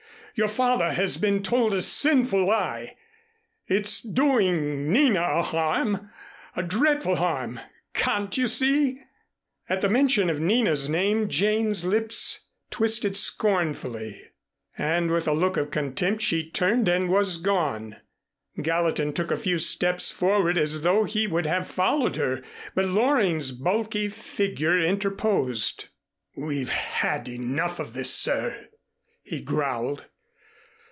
Your father has been told a sinful lie. It's doing Nina a harm a dreadful harm. Can't you see?" At the mention of Nina's name Jane's lips twisted scornfully and with a look of contempt she turned and was gone. Gallatin took a few steps forward as though he would have followed her, but Loring's bulky figure interposed. "We've had enough of this, sir," he growled.